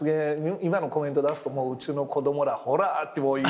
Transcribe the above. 今のコメント出すとうちの子供ら「ほら！」って言うと思うな。